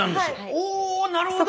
おぉなるほど！